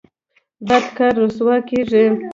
بد کار رسوا کیږي